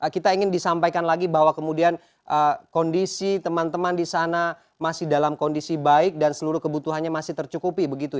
kita ingin disampaikan lagi bahwa kemudian kondisi teman teman di sana masih dalam kondisi baik dan seluruh kebutuhannya masih tercukupi begitu